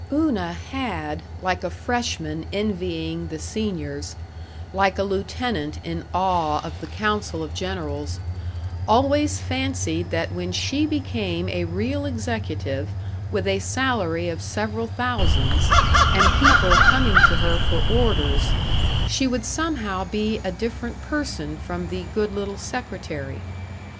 § 2 Una had, like a Freshman envying the Seniors, like a lieutenant in awe of the council of generals, always fancied that when she became a real executive with a salary of several thousands, and people coming to her for orders, she would somehow be a different person from the good little secretary.